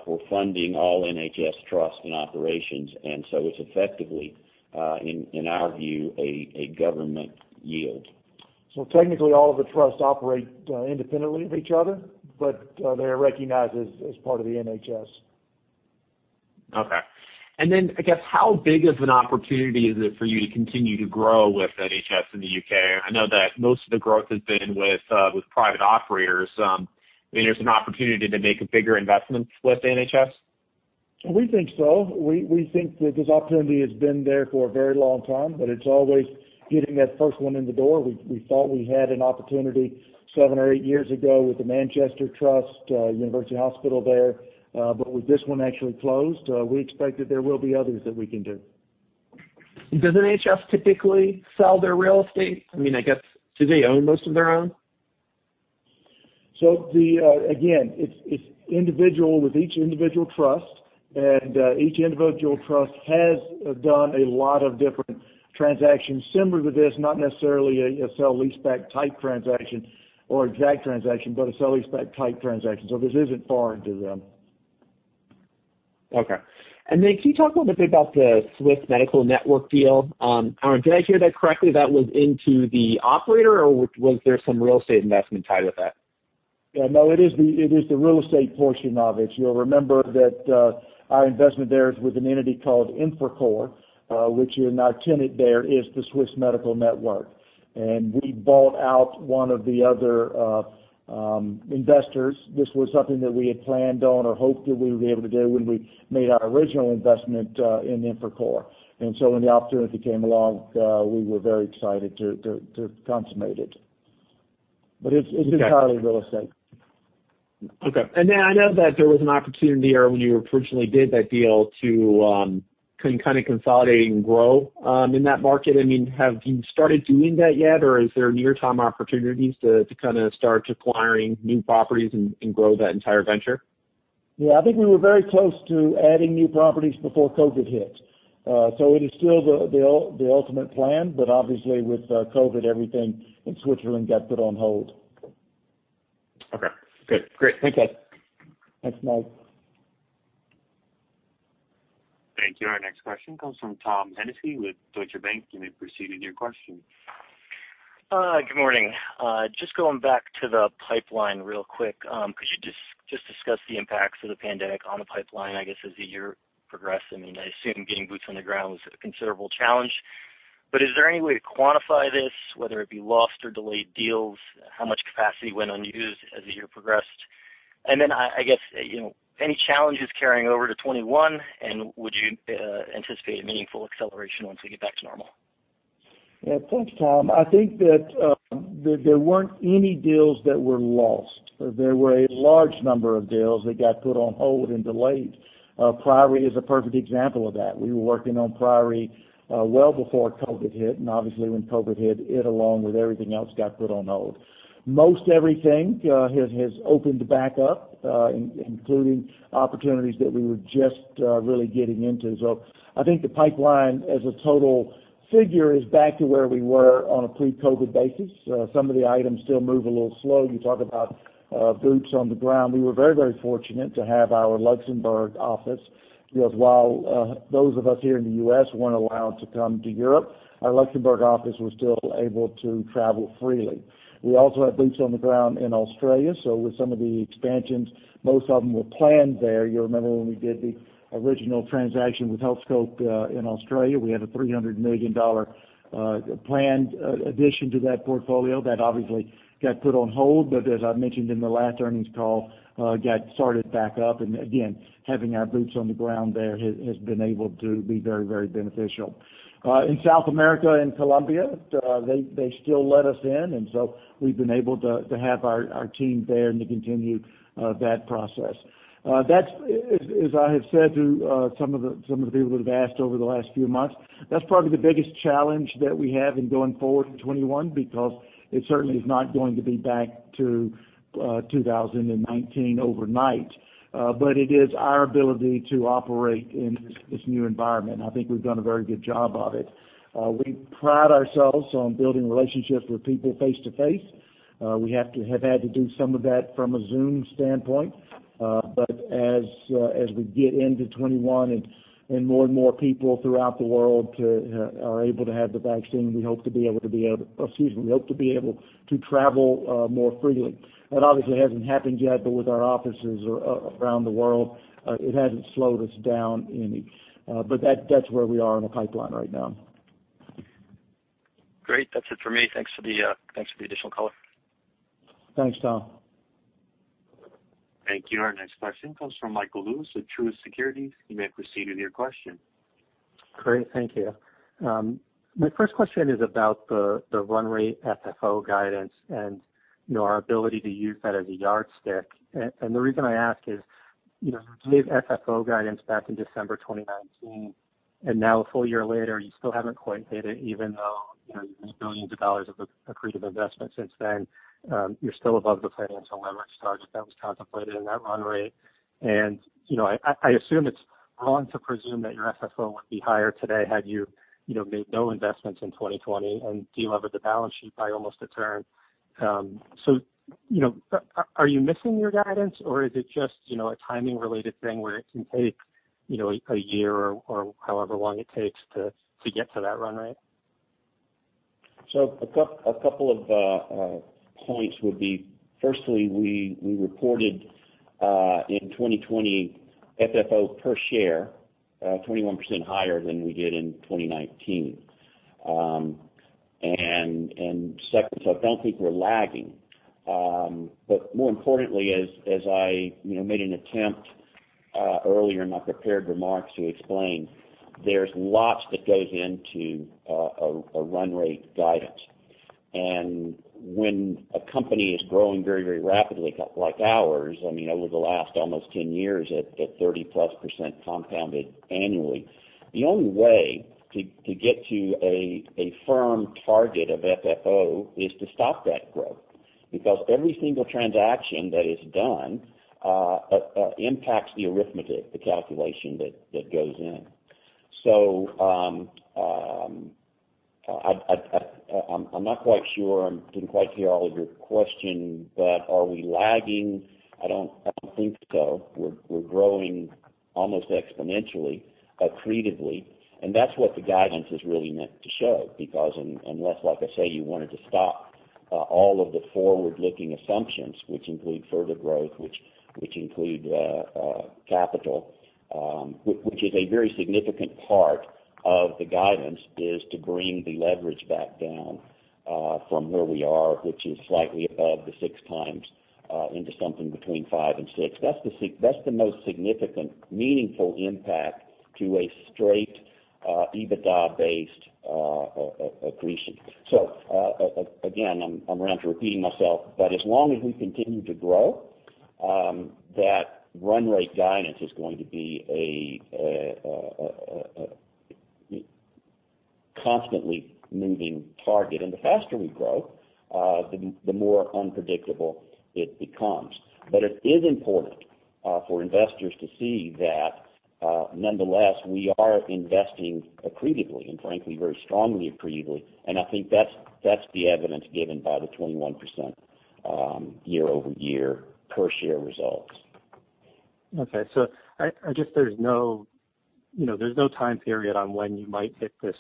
for funding all NHS trusts and operations, and so it's effectively, in our view, a government yield. Technically, all of the trusts operate independently of each other, but they're recognized as part of the NHS. Okay. How big of an opportunity is it for you to continue to grow with NHS in the U.K.? I know that most of the growth has been with private operators. Do you think there's an opportunity to make bigger investments with NHS? We think so. We think that this opportunity has been there for a very long time, but it's always getting that first one in the door. We thought we had an opportunity seven or eight years ago with the Manchester Trust University Hospital there. With this one actually closed, we expect that there will be others that we can do. Does NHS typically sell their real estate? Do they own most of their own? Again, it's individual with each individual trust, and each individual trust has done a lot of different transactions similar to this, not necessarily a sell-leaseback type transaction or exact transaction, but a sell-leaseback type transaction. This isn't foreign to them. Okay. Can you talk a little bit about the Swiss Medical Network deal? Did I hear that correctly, that was into the operator, or was there some real estate investment tied with that? No, it is the real estate portion of it. You'll remember that our investment there is with an entity called Infracore, which our tenant there is the Swiss Medical Network. We bought out one of the other investors. This was something that we had planned on or hoped that we would be able to do when we made our original investment in Infracore. When the opportunity came along, we were very excited to consummate it. It's entirely real estate. Okay. I know that there was an opportunity there when you originally did that deal to kind of consolidate and grow in that market. Have you started doing that yet, or is there near-term opportunities to kind of start acquiring new properties and grow that entire venture? Yeah, I think we were very close to adding new properties before COVID hit. It is still the ultimate plan, but obviously, with COVID, everything in Switzerland got put on hold. Okay, good. Great. Thanks, guys. Thanks, Mike. Thank you. Our next question comes from Tom Hennessy with Deutsche Bank. You may proceed with your question. Good morning. Going back to the pipeline real quick, because you just discussed the impacts of the pandemic on the pipeline, I guess, as the year progressed. I assume getting boots on the ground was a considerable challenge. Is there any way to quantify this, whether it be lost or delayed deals, how much capacity went unused as the year progressed? Any challenges carrying over to 2021, would you anticipate a meaningful acceleration once we get back to normal? Yeah. Thanks, Tom. I think that there weren't any deals that were lost. There were a large number of deals that got put on hold and delayed. Priory is a perfect example of that. Obviously when COVID hit, it, along with everything else, got put on hold. Most everything has opened back up, including opportunities that we were just really getting into. I think the pipeline as a total figure is back to where we were on a pre-COVID basis. Some of the items still move a little slow. You talk about boots on the ground. We were very fortunate to have our Luxembourg office. While those of us here in the U.S. weren't allowed to come to Europe, our Luxembourg office was still able to travel freely. We also have boots on the ground in Australia, so with some of the expansions, most of them were planned there. You'll remember when we did the original transaction with Healthscope in Australia, we had a $300 million planned addition to that portfolio that obviously got put on hold, but as I mentioned in the last earnings call, got started back up. Again, having our boots on the ground there has been able to be very beneficial. In South America and Colombia, they still let us in, and so we've been able to have our team there and to continue that process. As I have said to some of the people that have asked over the last few months, that's probably the biggest challenge that we have in going forward in 2021, because it certainly is not going to be back to 2019 overnight. It is our ability to operate in this new environment, and I think we've done a very good job of it. We pride ourselves on building relationships with people face-to-face. We have had to do some of that from a Zoom standpoint. As we get into 2021 and more and more people throughout the world are able to have the vaccine, we hope to be able to travel more freely. That obviously hasn't happened yet, but with our offices around the world, it hasn't slowed us down any. That's where we are in the pipeline right now. Great. That's it for me. Thanks for the additional color. Thanks, Tom. Thank you. Our next question comes from Michael Lewis with Truist Securities. You may proceed with your question. Great. Thank you. My first question is about the run rate FFO guidance and our ability to use that as a yardstick. The reason I ask is, you gave FFO guidance back in December 2019, and now a full year later, you still haven't quite hit it, even though you've made billions of dollars of accretive investments since then. You're still above the financial leverage target that was contemplated in that run rate. I assume it's wrong to presume that your FFO would be higher today had you made no investments in 2020 and delevered the balance sheet by almost a turn. Are you missing your guidance, or is it just a timing related thing where it can take a year or however long it takes to get to that run rate? A couple of points would be, firstly, we reported in 2020 FFO per share 21% higher than we did in 2019. Second, I don't think we're lagging. More importantly, as I made an attempt earlier in my prepared remarks to explain, there's lots that goes into a run rate guidance. When a company is growing very rapidly, like ours, over the last almost 10 years at 30%+ compounded annually, the only way to get to a firm target of FFO is to stop that growth. Every single transaction that is done impacts the arithmetic, the calculation that goes in. I'm not quite sure, I didn't quite hear all of your question, but are we lagging? I don't think so. We're growing almost exponentially, accretively, and that's what the guidance is really meant to show. Because unless, like I say, you wanted to stop all of the forward-looking assumptions, which include further growth, which include capital, which is a very significant part of the guidance, is to bring the leverage back down from where we are, which is slightly above the six times, into something between five and six. That's the most significant, meaningful impact to a straight EBITDA-based accretion. Again, I'm around to repeating myself, but as long as we continue to grow, that run rate guidance is going to be a constantly moving target, and the faster we grow, the more unpredictable it becomes. It is important for investors to see that, nonetheless, we are investing accretively, and frankly, very strongly accretively, and I think that's the evidence given by the 21% year-over-year per share results. Okay. I guess there's no time period on when you might hit this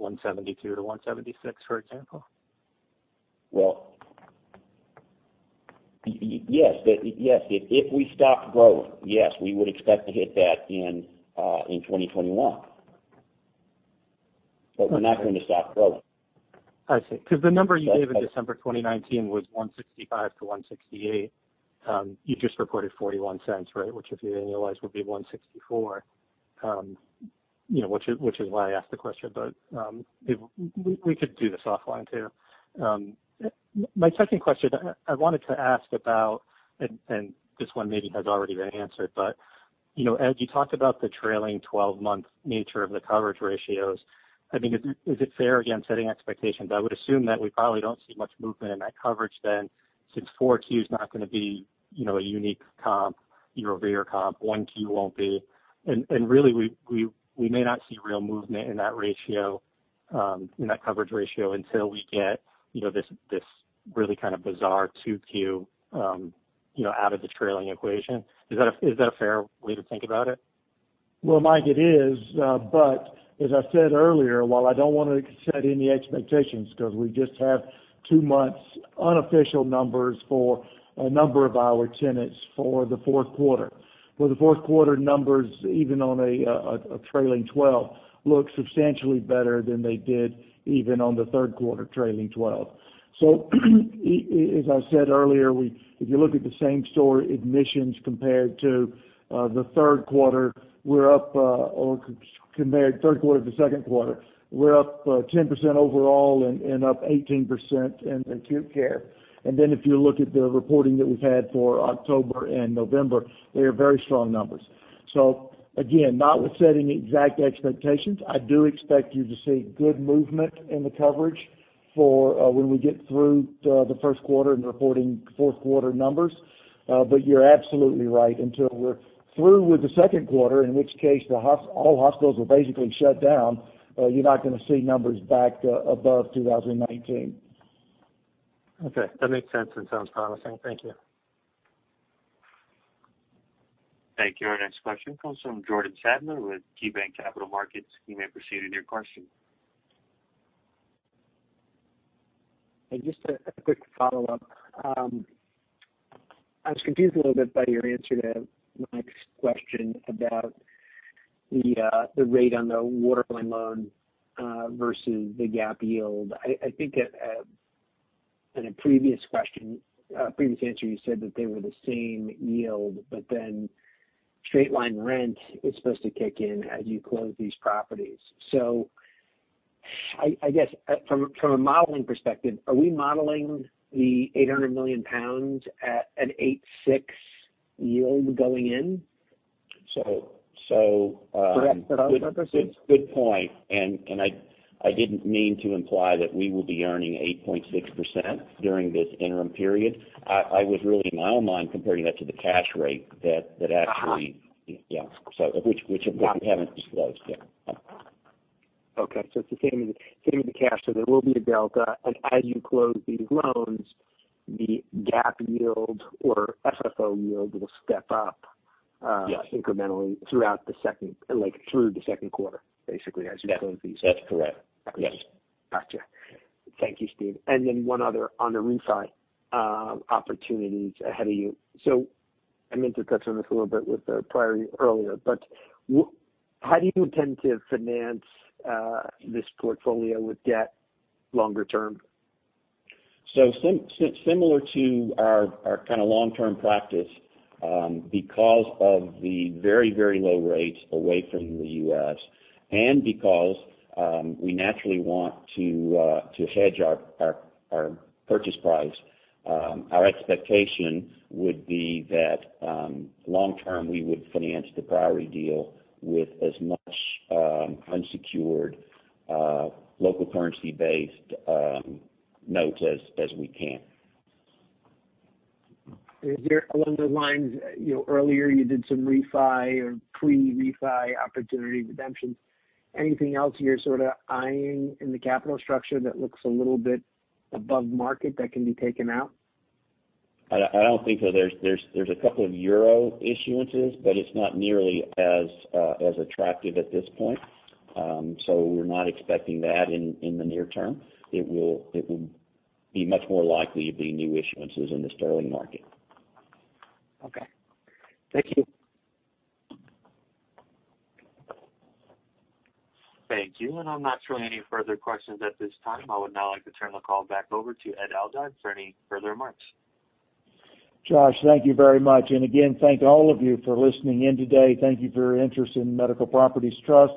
$1.72-$1.76, for example? Well, yes. If we stop growth, yes, we would expect to hit that in 2021. We're not going to stop growing. I see. Because the number you gave in December 2019 was $1.65-$1.68. You just reported $0.41, right? If you annualize, would be $1.64, which is why I asked the question, but we could do this offline, too. My second question I wanted to ask about, and this one maybe has already been answered, but Ed, you talked about the trailing 12-month nature of the coverage ratios. Is it fair, again, setting expectations, I would assume that we probably don't see much movement in that coverage then, since 4Q is not going to be a unique comp, year-over-year comp, 1Q won't be. Really, we may not see real movement in that coverage ratio until we get this really kind of bizarre 2Q out of the trailing equation. Is that a fair way to think about it? Well, Mike, it is. As I said earlier, while I don't want to set any expectations, because we just have two months' unofficial numbers for a number of our tenants for the fourth quarter. For the fourth quarter numbers, even on a trailing 12, look substantially better than they did even on the third quarter trailing 12. As I said earlier, if you look at the same-store admissions compared to the third quarter to the second quarter, we're up 10% overall and up 18% in acute care. If you look at the reporting that we've had for October and November, they are very strong numbers. Again, not to set any exact expectations, I do expect you to see good movement in the coverage for when we get through the first quarter and reporting fourth quarter numbers. You're absolutely right, until we're through with the second quarter, in which case all hospitals were basically shut down, you're not going to see numbers back above 2019. Okay. That makes sense and sounds promising. Thank you. Thank you. Our next question comes from Jordan Sadler with KeyBanc Capital Markets. You may proceed with your question. Just a quick follow-up. I was confused a little bit by your answer to Mike's question about the rate on the Waterland loan versus the GAAP yield. I think in a previous answer, you said that they were the same yield, straight line rent is supposed to kick in as you close these properties. I guess from a modeling perspective, are we modeling the 800 million pounds at an 8.6% yield going in? Good point. I didn't mean to imply that we will be earning 8.6% during this interim period. I was really, in my own mind, comparing that to the cash rate. Yeah. Which we haven't disclosed yet. Yeah. Okay, it's the same as the cash, so there will be a delta. As you close these loans, the GAAP yield or FFO yield will step up. Yes incrementally through the second quarter, basically, as you close these. That's correct. Yes. Gotcha. Thank you, Steve. One other on the refi opportunities ahead of you. I may have touched on this a little bit with Priory earlier, but how do you intend to finance this portfolio with debt longer term? Similar to our kind of long-term practice, because of the very, very low rates away from the U.S., and because we naturally want to hedge our purchase price, our expectation would be that long-term, we would finance the Priory deal with as much unsecured local currency-based notes as we can. Along those lines, earlier you did some refi or pre-refi opportunity redemptions. Anything else you're sort of eyeing in the capital structure that looks a little bit above market that can be taken out? I don't think so. There's a couple of euro issuances, but it's not nearly as attractive at this point. We're not expecting that in the near term. It will be much more likely to be new issuances in the sterling market. Okay. Thank you. Thank you. I'm not showing any further questions at this time. I would now like to turn the call back over to Ed Aldag for any further remarks. Josh, thank you very much. Again, thank all of you for listening in today. Thank you for your interest in Medical Properties Trust.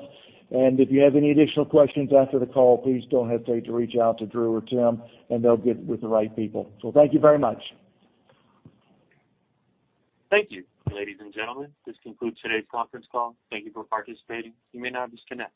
If you have any additional questions after the call, please don't hesitate to reach out to Drew or Tim, and they'll get with the right people. Thank you very much. Thank you. Ladies and gentlemen, this concludes today's conference call. Thank you for participating. You may now disconnect.